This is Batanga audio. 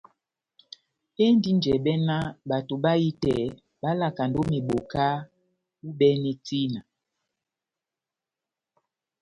Endi njɛbɛ ná bato bahitɛ bá lakand'ó meboka u'bɛne tina.